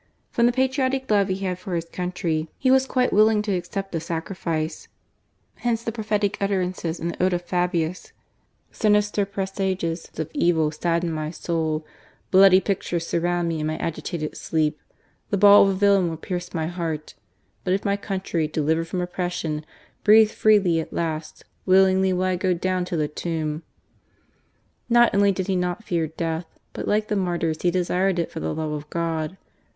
From the patriotic love he had for his country, he was quite willing to accept the sacrifice. Hence the prophetic utterances in the ode to Fabiiis: "Sinister presages of evil sadden ray soul ; bloody pictures surround me in my agitated sleep .... the ball of a villain will pierce my heart ; but if my country, delivered from THE MAN, 261 oppression, breathes freely at last, willingly will I go down to the tomb." Not only he did not fear death, but like the martjTs he desired it for the love of God.